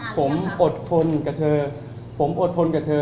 ผมอดทนกับเธอผมอดทนกับเธอ